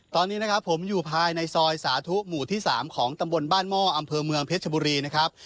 ตอนนี้นะครับผมอยู่ภายในซอยสาธุหมู่ที่๓ของตำบลบ้านหม้ออำเภอเมืองเพชรบุรีนะครับ